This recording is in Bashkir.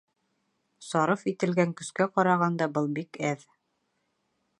Сарыф ителгән көскә ҡарағанда, был бик әҙ.